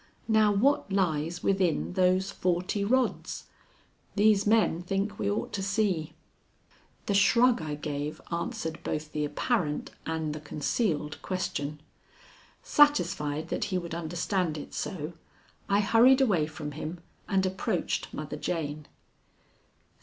Now what lies within those forty rods? These men think we ought to see." The shrug I gave answered both the apparent and the concealed question. Satisfied that he would understand it so, I hurried away from him and approached Mother Jane.